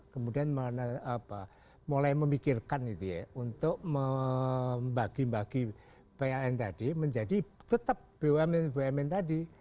kemudian mulai memikirkan gitu ya untuk membagi bagi pln tadi menjadi tetap bumn bumn tadi